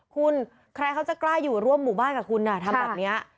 คุณใครเขาจะกล้าอยู่ร่วมหมู่บ้านกับคุณทำแบบนี้